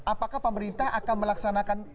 apakah pemerintah akan melaksanakan